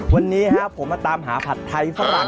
วันนี้ผมมาตามหาผัดไทยฝรั่ง